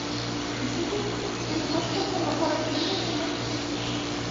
- Бисәкәй, һин ҡош-ҡортоңдо ҡарап килмәйһеңме?